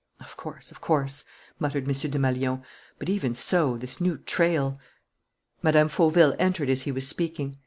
"Of course, of course," muttered M. Desmalions. "But even so, this new trail " Mme. Fauville entered as he was speaking.